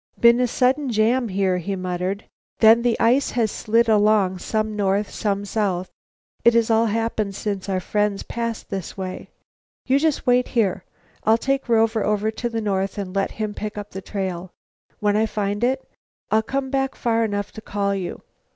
"Been a sudden jam here," he muttered; "then the ice has slid along, some north, some south. It has all happened since our friends passed this way. You just wait here. I'll take Rover to the north and let him pick up the trail. When I find it, I'll come back far enough to call to you.